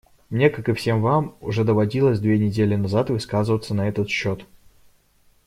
Мне, как и все вам, уже доводилось две недели назад высказываться на этот счет.